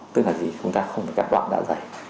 tức là gì chúng ta không phải cắt loạn đạ dày